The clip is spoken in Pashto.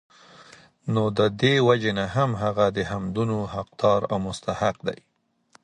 نو د دي وجي نه هم هغه د حمدونو حقدار او مستحق دی